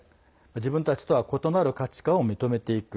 自分たちとは異なる価値観を認めていく。